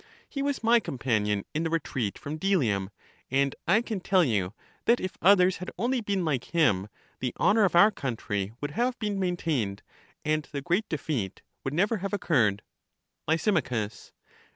He was my companion in the retreat from Delium, and I can tell you that if others had only been like him, the honor of our country would have been maintained, and the great defeat would never have occurred. Lys.